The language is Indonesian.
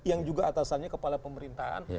yang juga atasannya kepala pemerintahan